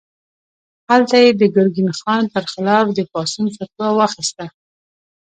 هلته یې د ګرګین خان پر خلاف د پاڅون فتوا واخیسته.